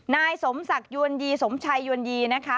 นายสมศักดิ์ยวนยีสมชัยยวนยีนะคะ